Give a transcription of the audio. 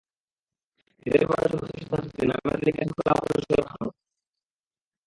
এঁদের ব্যাপারে চূড়ান্ত সিদ্ধান্ত নিতে নামের তালিকা শৃঙ্খলা পরিষদে পাঠানো হবে।